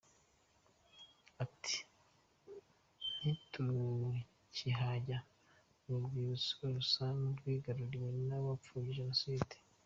Ati “Ntitukihajya, uru rwibutso rusa n’urwigaruriwe n’abapfobya Jenoside.